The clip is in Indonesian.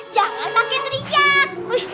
jangan pake teriak